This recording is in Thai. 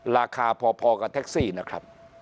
ราคาพอกับแท็กซี่นะครับ